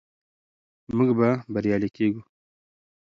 موږ به بریالي کیږو.